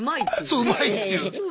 そううまいっていう。